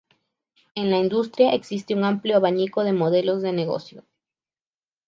En la industria, existe un amplio abanico de modelos de negocio.